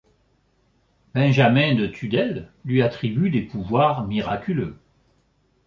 Benjamin de Tudèle lui attribue des pouvoirs miraculeux.